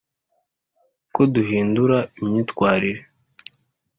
ko duhindura imyitwarire